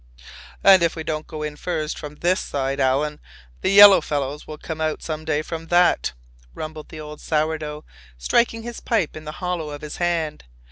"And if we don't go in first from this side, Alan, the yellow fellows will come out some day from that," rumbled the old sour dough, striking his pipe in the hollow of his hand.